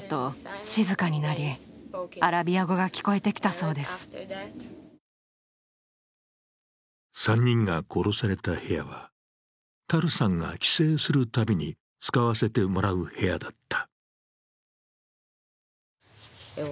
そして３人が殺された部屋はタルさんが帰省するたびに使わせてもらう部屋だった。